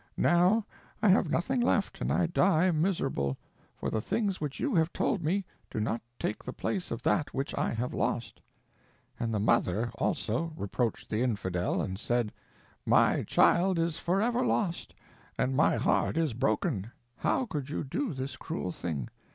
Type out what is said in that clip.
Now I have nothing left, and I die miserable; for the things which you have told me do not take the place of that which I have lost_." And the mother, also, reproached the Infidel, and said: "_My child is forever lost, and my heart is broken. How could you do this cruel thing?